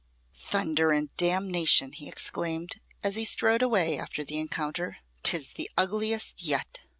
"Thunder and damnation!" he exclaimed, as he strode away after the encounter; "'tis the ugliest yet.